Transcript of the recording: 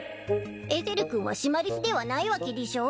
エゼル君はシマリスではないわけでぃしょう？